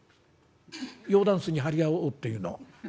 用だんすに張り合おうっていうの？